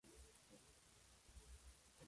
Los restos del avión se incendiaron tras el choque.